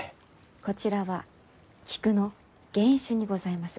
こちらは菊の原種にございます。